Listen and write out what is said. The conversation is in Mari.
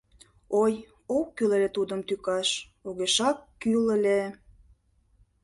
Ой, ок кӱл ыле тудым тӱкаш, огешак кӱл ыле.